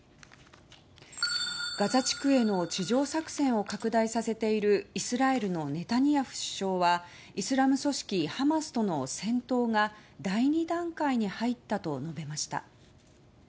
ガザ地区への地上作戦を拡大させているイスラエルのネタニヤフ首相はイスラム組織ハマスとの戦闘が第２段階に入ったと述べました。